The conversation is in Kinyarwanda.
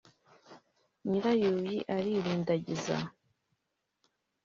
Nyirayuhi aririndagiza